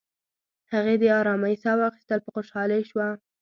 هغې د آرامی ساه واخیستل، په خوشحالۍ شوه.